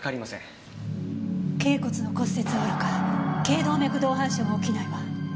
頚骨の骨折はおろか頚動脈洞反射も起きないわ。